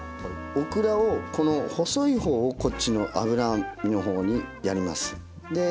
オクラをこの細い方をこっちの脂身の方にやります。